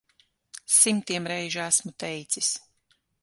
Simtiem reižu esmu teicis.